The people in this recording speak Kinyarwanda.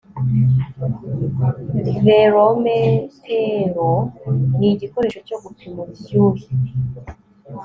therometero ni igikoresho cyo gupima ubushyuhe